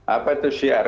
apa itu syiar